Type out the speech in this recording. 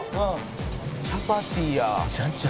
「チャパティや」